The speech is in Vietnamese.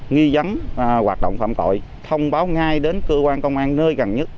nghi dắn hoạt động phạm tội thông báo ngay đến cơ quan công an nơi gần nhất